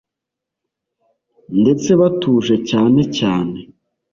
ndetse batuje cyane cyane